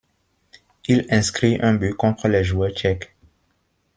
Il inscrit un but contre les joueurs tchèques.